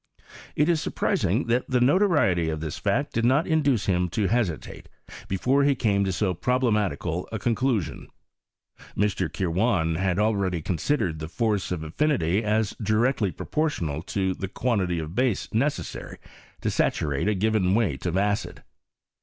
It ia surprising tliat the notoriety of this fact did not induce him to hesitate, before he came to so piroblematical a conclusion* Mr. Kirwan had al leady considered the force of affinity as directly proportional to the quantity of base necessary to saturate a given weight of acid.